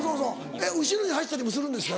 えっ後ろに走ったりもするんですか？